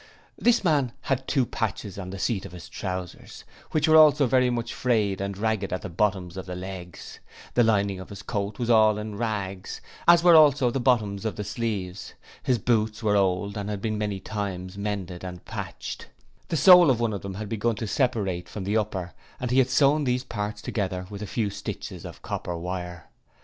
This man had two patches on the seat of his trousers, which were also very much frayed and ragged at the bottoms of the legs: the lining of his coat was all in rags, as were also the bottoms of the sleeves; his boots were old and had been many times mended and patched; the sole of one of them had begun to separate from the upper and he had sewn these parts together with a few stitches of copper wire.